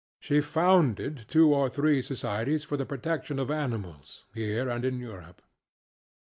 She founded two or three societies for the protection of animals, here and in Europe.